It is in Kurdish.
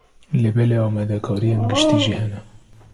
Lê belê, amadekariyên giştî jî hene.